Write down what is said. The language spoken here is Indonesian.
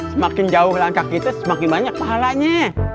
semakin jauh langkah kita semakin banyak pahalanya